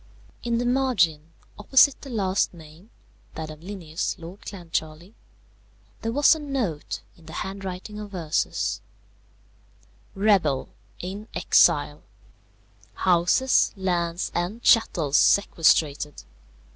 In the margin, opposite the last name (that of Linnæus, Lord Clancharlie), there was a note in the handwriting of Ursus: _Rebel; in exile; houses, lands, and chattels sequestrated.